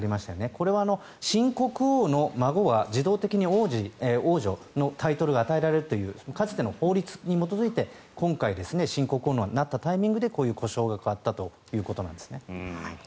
これは新国王の孫は自動的に王子、王女のタイトルが与えられるというかつての法律に基づいて今回、新国王になったタイミングでこういう呼称が変わったということですね。